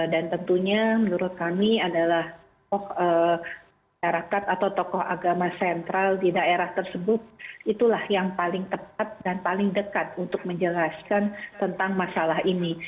dan tentunya menurut kami adalah tokoh daerahkat atau tokoh agama sentral di daerah tersebut itulah yang paling tepat dan paling dekat untuk menjelaskan tentang masalah ini